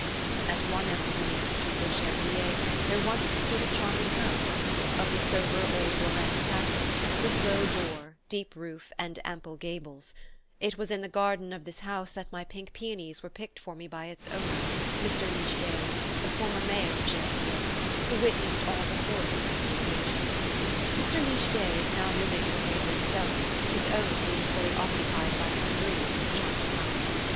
At one end of the main street of Gerbeviller there once stood a charming house, of the sober old Lorraine pattern, with low door, deep roof and ample gables: it was in the garden of this house that my pink peonies were picked for me by its owner, Mr. Liegeay, a former Mayor of Gerbeviller, who witnessed all the horrors of the invasion. Mr. Liegeay is now living in a neighbour's cellar, his own being fully occupied by the debris of his charming house.